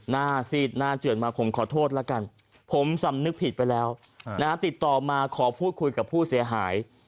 ซีดหน้าเจือนมาผมขอโทษแล้วกันผมสำนึกผิดไปแล้วติดต่อมาขอพูดคุยกับผู้เสียหาย